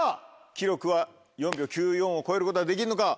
記録は４秒９４を超えることはできるのか？